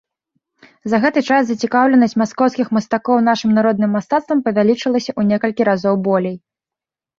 За гэты час зацікаўленасць маскоўскіх мастакоў нашым народным мастацтвам павялічылася ў некалькі разоў болей.